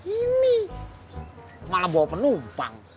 ini malah bawa penumpang